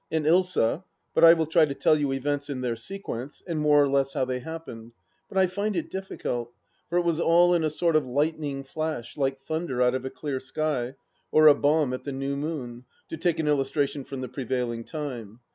And Ilsa But I will try to tell you events in their sequence, and more or less how they happened, but I find it difficult, for it was all in a sort of lightning flash, like thunder out of a clear sky, or a bomb at the new moon, to take an illustration from the prevailing time.